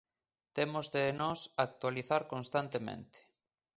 Temos de nos actualizar constantemente.